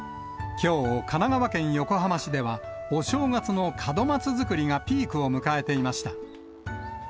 きょう、神奈川県横浜市では、お正月の門松作りがピークを迎えていました。